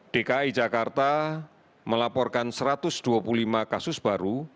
dki jakarta melaporkan satu ratus dua puluh lima kasus baru